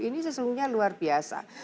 ini sesungguhnya luar biasa